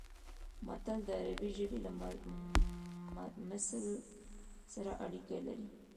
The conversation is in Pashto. متل د عربي ژبې له مثل سره اړیکه لري